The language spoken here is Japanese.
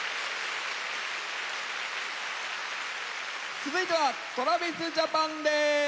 続いてはＴｒａｖｉｓＪａｐａｎです。